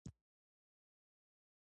له دې مطالبو څخه موږ یوه مهمه پایله اخلو